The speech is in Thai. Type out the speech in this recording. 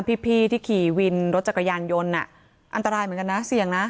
พี่ที่ขี่วินรถจักรยานยนต์อันตรายเหมือนกันนะเสี่ยงนะ